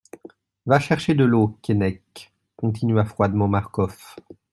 Va chercher de l'eau, Keinec, continua froidement Marcof.